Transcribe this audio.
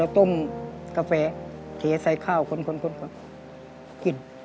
แล้วต้มกาแฟเดี๋ยวใส่ข้าวคนกิน